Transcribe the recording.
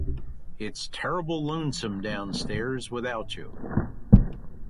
It’s terrible lonesome downstairs without you.